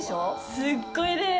すっごいです。